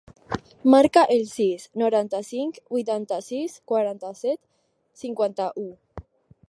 Marca el sis, noranta-cinc, vuitanta-sis, quaranta-set, cinquanta-u.